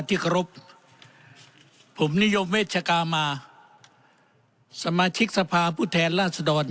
ที่เคารพผมนิยมเวชกามาสมาชิกสภาพผู้แทนราชดร